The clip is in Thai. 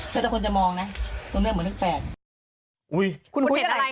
เพื่อให้คนจะมองนะตรงเนี้ยเหมือนเลขแปดอุ้ยคุณเห็นอะไรฮะ